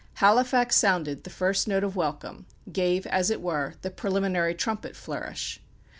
Halifax sounded the first note of welcome, gave, as it were, the preliminary trumpet flourish.